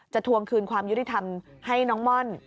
ทวงคืนความยุติธรรมให้น้องม่อน